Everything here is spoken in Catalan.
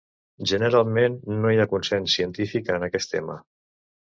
Generalment, no hi ha consens científic en aquest tema.